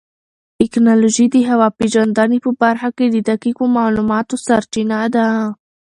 ټیکنالوژي د هوا پېژندنې په برخه کې د دقیقو معلوماتو سرچینه ده.